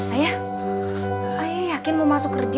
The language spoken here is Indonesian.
ayah ayah yakin mau masuk kerja